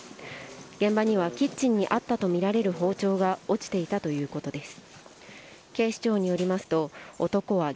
現場にはキッチンにあったとみられる包丁が落ちていたということです。